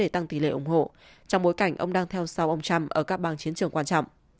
trong bối cảnh ông đang theo sau ông trump ở các bang chiến trường quan trọng